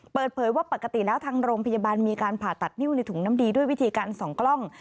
เปิดเผยว่าปกติแล้วทางโรงพยาบาลมีการผ่าตัดนิ้วในถุงน้ำดีด้วยวิธีการส่องกล้อง